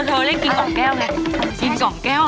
เธอแล้วกินกำแก้วไงกินกำแก้วอะ